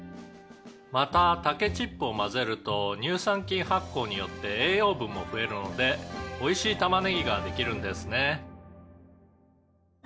「また竹チップを混ぜると乳酸菌発酵によって栄養分も増えるのでおいしいたまねぎができるんですね」